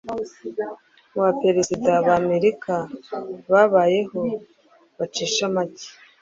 mu baperezida ba Amerika babayeho bacisha macye,